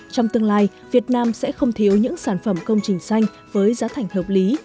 trong tương lai việt nam sẽ không thiếu những sản phẩm công trình xanh với giá thành hợp lý